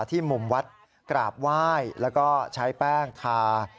ที่มุมวัดกราบไหว้แล้วก็ใช้แป้งทา